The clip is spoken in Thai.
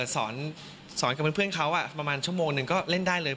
สอนกับเพื่อนเขาประมาณชั่วโมงหนึ่งก็เล่นได้เลย